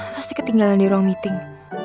pasti ketinggalan di ruang meeting